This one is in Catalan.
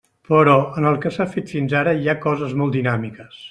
Però en el que s'ha fet fins ara, hi ha coses molt dinàmiques.